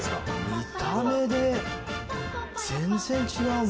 見た目で全然違うもん！